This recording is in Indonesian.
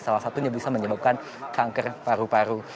salah satunya bisa menyebabkan kanker paru paru